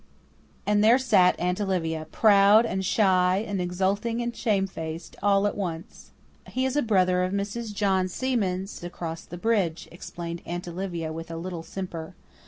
And there sat Aunt Olivia, proud and shy and exulting and shamefaced, all at once! "He is a brother of Mrs. John Seaman's across the bridge," explained Aunt Olivia with a little simper.